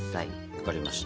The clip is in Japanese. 分かりました。